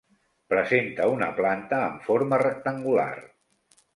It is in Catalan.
Presenta una planta amb forma rectangular.